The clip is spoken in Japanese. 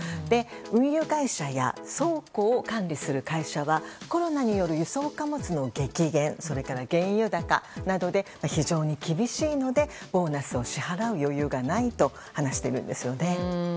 運輸会社や倉庫を管理する会社はコロナによる輸送貨物の激減それから原油高などで非常に厳しいのでボーナスを支払う余裕がないと話しているんですよね。